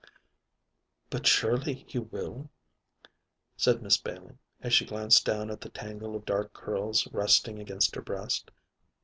"But surely he will," said Miss Bailey, as she glanced down at the tangle of dark curls resting against her breast.